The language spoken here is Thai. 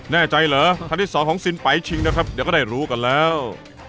แน่ใจเหรอทางที่๒ของซิลปั๊ยชิงนะครับเดี๋ยวก็ได้รู้กันแล้ว